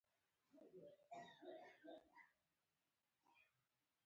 داسې وانګيرئ لکه غوښتنې چې مو رښتيا هم عملي شوې وي.